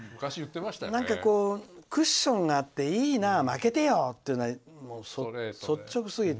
何か、クッションがあってまけてよっていうのは率直すぎて。